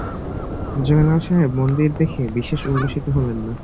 জয়নাল সাহেব মন্দির দেখে বিশেষ উল্লসিত হলেন না।